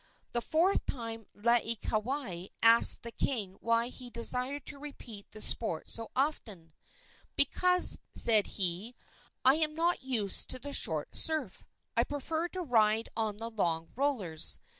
The fourth time Laieikawai asked the king why he desired to repeat the sport so often. "Because," said he, "I am not used to the short surf; I prefer to ride on the long rollers."